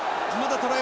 トライ！